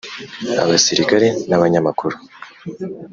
abasilikari n'abanyamakuru.